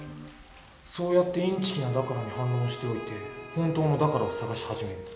そうやってインチキな「だから」に反論しておいて本当の「だから」を探し始める。